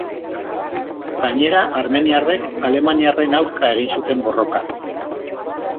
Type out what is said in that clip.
Gainera, armeniarrek alemaniarren aurka egin zuten borroka.